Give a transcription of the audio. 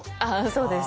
そうです